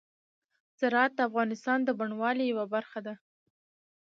زراعت د افغانستان د بڼوالۍ یوه برخه ده.